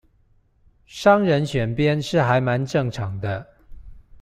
商人選邊是還蠻正常的